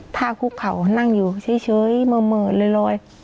ท่าคู่เขานั่งอยู่เฉยเหมือนเลยลอย